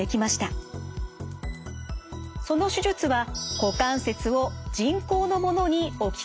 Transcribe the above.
その手術は股関節を人工のものに置き換える方法でした。